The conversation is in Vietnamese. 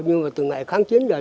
nhưng mà từ ngày kháng chiến rồi